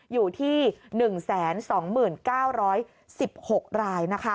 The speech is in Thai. อยู่ที่๑๒๙๑๖ราย